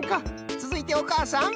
つづいておかあさん。